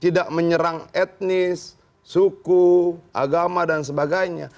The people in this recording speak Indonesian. tidak menyerang etnis suku agama dan sebagainya